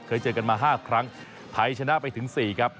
เคยเจอกันมา๕ครั้งไทยชนะไปถึง๔ครับ